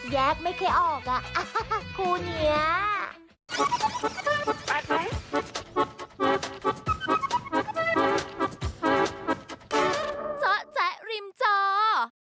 เจาะแจ๊ะริมเจาะ